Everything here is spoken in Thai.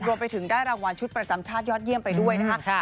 รวมไปถึงได้รางวัลชุดประจำชาติยอดเยี่ยมไปด้วยนะคะ